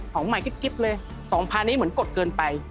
ของใหม่กิ๊บเลย๒๐๐นี้เหมือนกดเกินไป